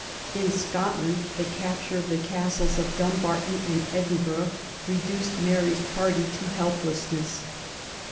In Scotland the capture of the Castles of Dumbarton and Edinburgh reduced Mary's party to helplessness.